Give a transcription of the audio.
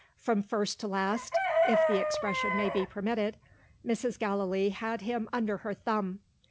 From first to last (if the expression may be permitted) Mrs. Gallilee had him under her thumb.